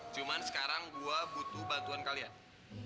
cuma sekarang gue butuh bantuan kalian